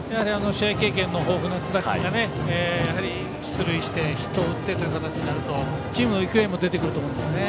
試合経験豊富な津田君が出塁して、ヒットを打ってという形になるとチームの勢いも出てくると思いますのでね。